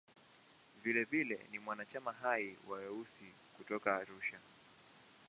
Vilevile ni mwanachama hai wa "Weusi" kutoka Arusha.